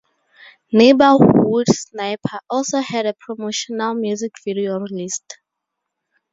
"Neighborhood Sniper" also had a promotional music video released.